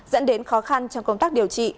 dẫn đến khó khăn trong công tác điều trị